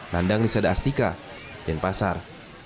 landang di sada astika denpasar